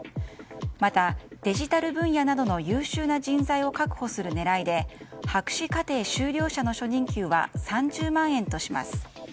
また、デジタル分野などの優秀な人材を確保する狙いで博士課程修了者の初任給は３０万円とします。